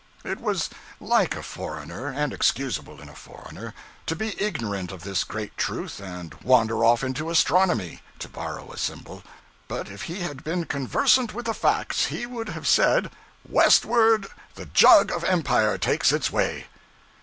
It was like a foreigner and excusable in a foreigner to be ignorant of this great truth, and wander off into astronomy to borrow a symbol. But if he had been conversant with the facts, he would have said Westward the Jug of Empire takes its way.